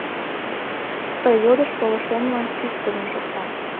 Ты йодыш пылышемлан чӱчкыдын шокта.